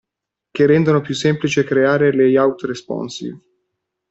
Che rendono più semplice creare layout responsive.